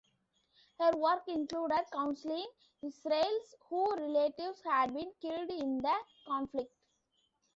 Her work included counseling Israelis whose relatives had been killed in the conflict.